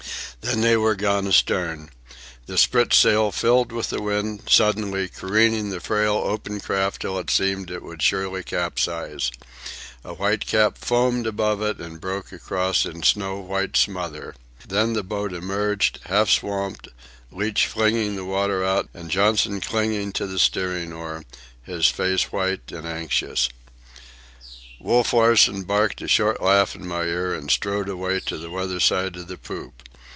Then they were gone astern. The spritsail filled with the wind, suddenly, careening the frail open craft till it seemed it would surely capsize. A whitecap foamed above it and broke across in a snow white smother. Then the boat emerged, half swamped, Leach flinging the water out and Johnson clinging to the steering oar, his face white and anxious. Wolf Larsen barked a short laugh in my ear and strode away to the weather side of the poop.